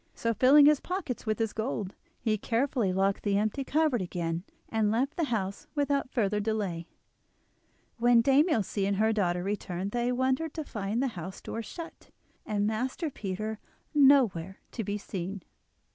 So, filling his pockets with the gold, he carefully locked the empty cupboard again and left the house without further delay. When Dame Ilse and her daughter returned they wondered to find the house door shut, and Master Peter nowhere to be seen.